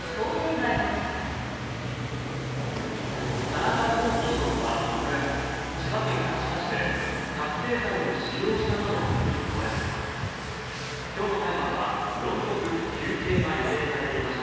田中聖被告は６月千葉県柏市で覚醒剤を使用したなどの罪に問われています。